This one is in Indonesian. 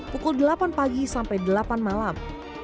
pukul delapan pagi sampai delapan malam